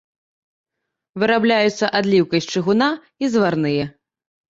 Вырабляюцца адліўкай з чыгуна і зварныя.